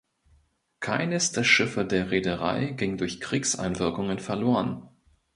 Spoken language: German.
Keines der Schiffe der Reederei ging durch Kriegseinwirkungen verloren.